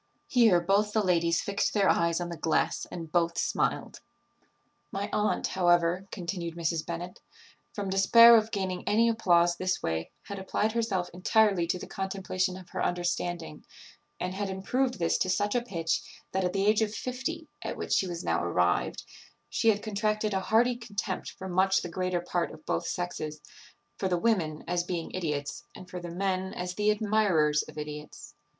Here both the ladies fixed their eyes on the glass, and both smiled. "My aunt, however," continued Mrs. Bennet, "from despair of gaining any applause this way, had applied herself entirely to the contemplation of her understanding, and had improved this to such a pitch, that at the age of fifty, at which she was now arrived, she had contracted a hearty contempt for much the greater part of both sexes; for the women, as being idiots, and for the men, as the admirers of idiots.